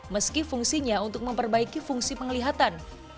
meski fungsinya untuk memperbaiki fungsi penglihatan